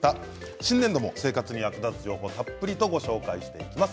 新年度も生活に役立つ情報をたっぷりとご紹介していきます。